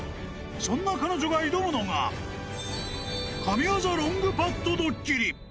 そんな彼女が挑むのが、神業ロングパットドッキリ。